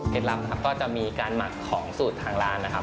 ลับนะครับก็จะมีการหมักของสูตรทางร้านนะครับ